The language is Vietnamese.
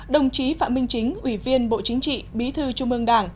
đồng chí phạm minh chính ủy viên bộ chính trị bí thư trung ương đảng